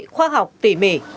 khoa học tỉ mỉ